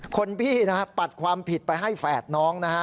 คนพี่ปัดความผิดไปให้แฝดน้อง